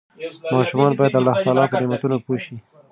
ماشومان باید د الله تعالی په نعمتونو پوه شي.